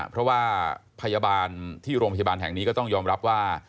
เพราะว่าพยาบาลที่โรงพยาบาลแห่งนี้ก็ต้องยอมรับว่า